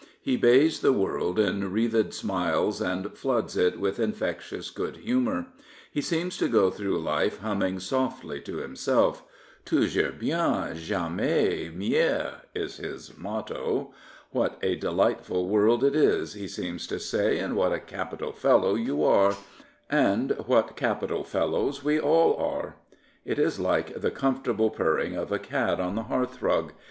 He bathes the world in wreathed smiles and floods it with infectious good humour. He seems to go through life humming softly to himself. " Tou jours bien, jamais mieux," is his motto. What a delightful world it is, he seems to say, and what a capital fellow you are, and what capital fellows we all are! It is like the comfortable purring of a cat on the hearthrug.